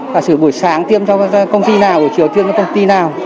và sửa buổi sáng tiêm cho công ty nào ở chiều tiêm cho công ty nào